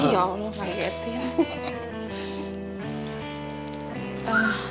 ya allah pak yatin